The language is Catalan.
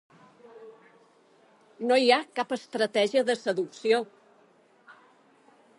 No hi ha cap estratègia de seducció.